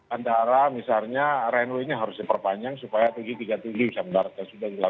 antara misalnya renu ini harus diperpanjang supaya tg tiga puluh tujuh bisa melakukan